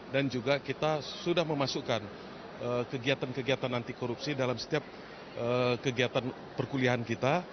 dan juga kita sudah memasukkan kegiatan kegiatan anti korupsi dalam setiap kegiatan perkulian kita